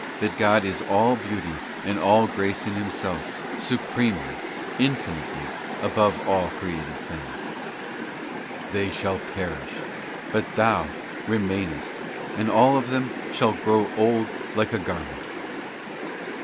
that God is all Beauty and all Grace in Himself, supremely, infinitely, above all created things. 'They shall perish, but Thou remainest, and all of them shall grow old like a gar ment.